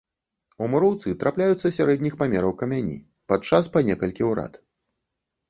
У муроўцы трапляюцца сярэдніх памераў камяні, падчас па некалькі ў рад.